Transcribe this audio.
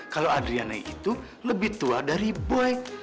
kalau adriana itu lebih tua dari boyke